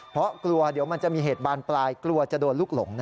เพราะกลัวเดี๋ยวมันจะมีเหตุบานปลายกลัวจะโดนลูกหลง